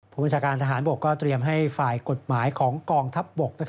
ผู้บัญชาการทหารบกก็เตรียมให้ฝ่ายกฎหมายของกองทัพบก